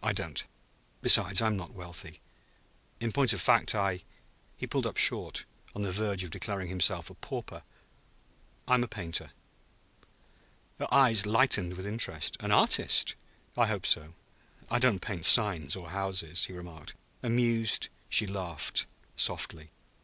"I don't. Besides, I'm not wealthy. In point of fact, I ..." He pulled up short, on the verge of declaring himself a pauper. "I am a painter." Her eyes lightened with interest. "An artist?" "I hope so. I don't paint signs or houses," he remarked. Amused, she laughed softly.